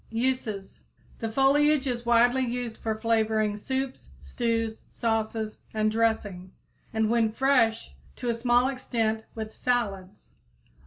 Uses. The foliage is widely used for flavoring soups, stews, sauces, and dressings, and, when fresh, to a small extent with salads.